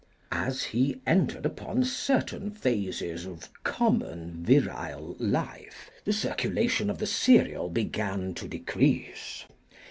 As he entered upon certain phases of common virile life, the circulation of the serial began to decrease.